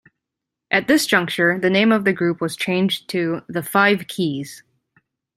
At this juncture the name of the group was changed to The Five Keys.